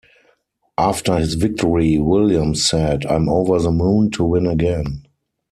After his victory Williams said: I'm over the moon to win again.